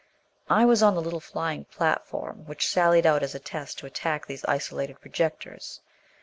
I was on the little flying platform which sallied out as a test to attack these isolated projectors.